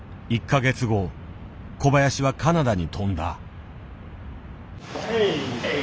１か月後小林はカナダに飛んだ。